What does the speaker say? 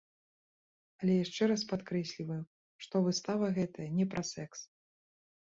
Але яшчэ раз падкрэсліваю, што выстава гэтая не пра сэкс!